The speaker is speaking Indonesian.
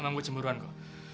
emang gue cemburuanku